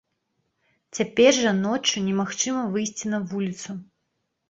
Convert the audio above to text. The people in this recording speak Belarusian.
Цяпер жа ноччу немагчыма выйсці на вуліцу.